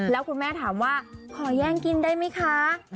แล้วคุณแม่ถามว่าขอแย่งกินได้ไหมคะ